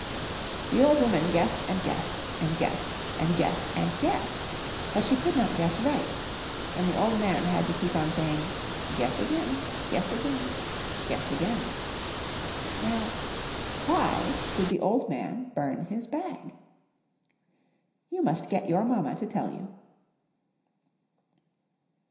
The old woman guessed and guessed and guessed and guessed and guessed. But she could not guess right, and the old man had to keep on saying, "Guess again, guess again, guess again." Now why did the old man burn his bag? You must get your Mamma to tell you.